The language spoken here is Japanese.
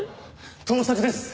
盗作です！